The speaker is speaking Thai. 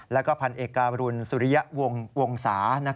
แล้วก็พันเอกการุณสุริยะวงศา